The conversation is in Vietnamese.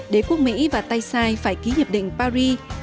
đế quốc mỹ và tây sai phải ký hiệp định paris